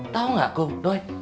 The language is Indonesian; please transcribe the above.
tau gak kudoi